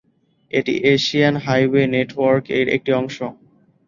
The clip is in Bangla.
এটি এশিয়ান হাইওয়ে নেটওয়ার্ক -এর একটি অংশ।